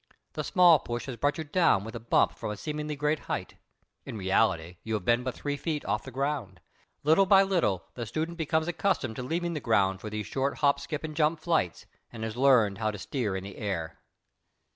The small push has brought you down with a bump from a seemingly great height. In reality you have been but three feet off the ground. Little by little the student becomes accustomed to leaving the ground, for these short hop skip and jump flights, and has learned how to steer in the air.